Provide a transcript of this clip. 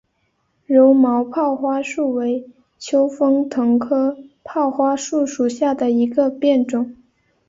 柔毛泡花树为清风藤科泡花树属下的一个变种。